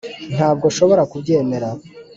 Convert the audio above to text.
ntabwo nshobora kubyemera.